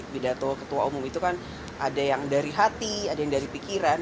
pidato ketua umum itu kan ada yang dari hati ada yang dari pikiran